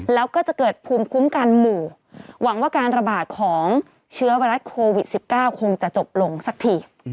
แล้วก็จะเกิดภูมิคุ้มกันหมู่หวังว่าการระบาดของเชื้อไวรัสโควิด๑๙คงจะจบลงสักที